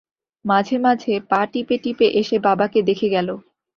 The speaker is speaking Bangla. মাঝেমাঝে পা টিপে-টিপে এসে বাবাকে দেখে গেল।